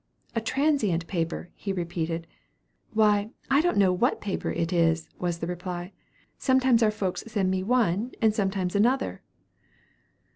'A transient paper,' he repeated. 'Why, I don't know what paper it is,' was the reply; 'sometimes our folks send me one, and sometimes another.'"